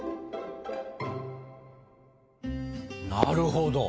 なるほど。